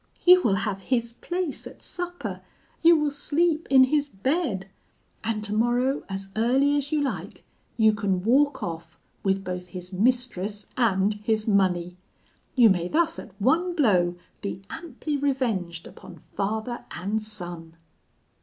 'You will have his place at supper; you will sleep in his bed; and tomorrow, as early as you like, you can walk off with both his mistress and his money. You may thus, at one blow, be amply revenged upon father and son.'